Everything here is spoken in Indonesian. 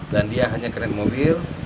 dan dia hanya keren mobil